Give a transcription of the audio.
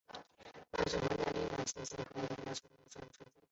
范氏姮是嘉定省新和县新年东村出生。